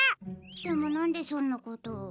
でもなんでそんなことを？